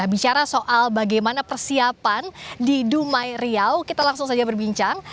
bicara soal bagaimana persiapan di dumai riau kita langsung saja berbincang